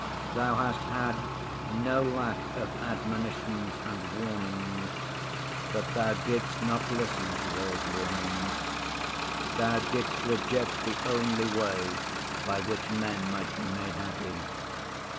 'Thou hast had no lack of admonitions and warnings, but Thou didst not listen to those warnings; Thou didst reject the only way by which men might be made happy.